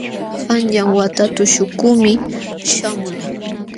Qanyan wata tuśhukuqmi śhamulqaa.